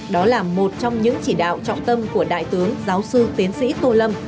đó là một trong những chỉ đạo trọng tâm của đại tướng giáo sư tiến sĩ tô lâm